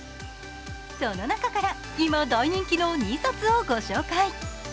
その中から今大人気の２冊をご紹介。